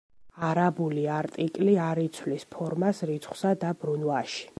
არაბული არტიკლი არ იცვლის ფორმას რიცხვსა და ბრუნვაში.